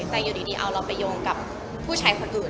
แต่อยู่ดีเอาเราไปโยงกับผู้ชายคนอื่น